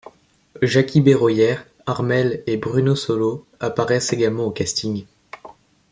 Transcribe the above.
Jackie Berroyer, Armelle et Bruno Solo apparaissent également au casting.